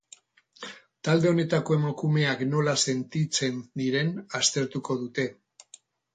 Talde honetako emakumeak nola sentitzen diren aztertuko dute.